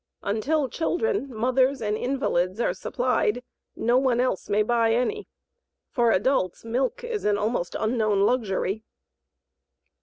Until children, mothers, and invalids are supplied, no one else may buy any. For adults, milk is an almost unknown luxury.